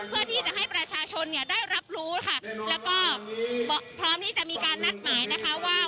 เพื่อที่จะให้ประชาชนได้รับรู้และพร้อมที่จะมีการนัดหมายว่า